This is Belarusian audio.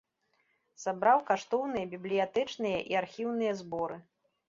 Сабраў каштоўныя бібліятэчныя і архіўныя зборы.